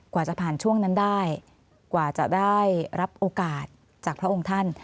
กว่าจะผ่านช่วงนั้นได้กว่าจะได้รับโอกาสจากพระองค์ท่าน